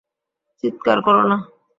চিৎকার কোরো না।